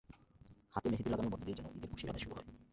হাতে মেহেদি লাগানোর মধ্য দিয়েই যেন ঈদের খুশির আমেজ শুরু হয়।